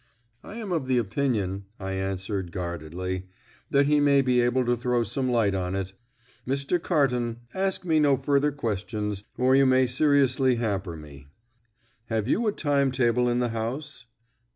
"I am of the opinion," I answered guardedly, "that he may be able to throw some light on it. Mr. Carton, ask me no further questions, or you may seriously hamper me. Have you a time table in the house?